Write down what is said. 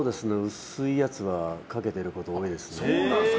薄いやつはかけてることが多いですね。